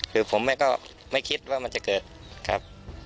คือผมแม่ก็ไม่คิดว่ามันจะเกิดครับ